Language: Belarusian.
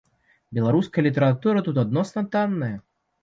Беларуская літаратура тут адносна танная.